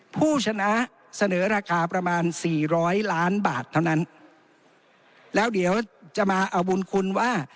ผู้ชนะเสนอราคาประมาณสี่ร้อยล้านบาทเท่านั้นแล้วเดี๋ยวจะมาเอาบุญคุณว่า